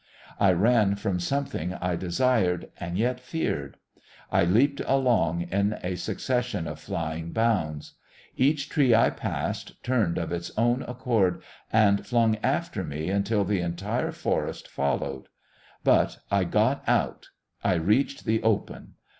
I ran from something I desired and yet feared. I leaped along in a succession of flying bounds. Each tree I passed turned of its own accord and flung after me until the entire forest followed. But I got out. I reached the open.